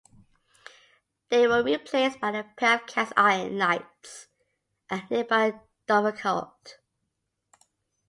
They were replaced by the pair of cast iron lights at nearby Dovercourt.